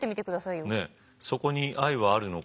「そこに愛はあるのか？」